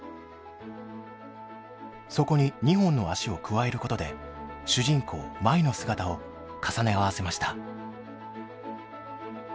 そこに２本の脚を加えることで主人公舞の姿を重ね合わせました。